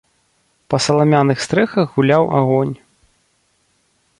Па саламяных стрэхах гуляў агонь.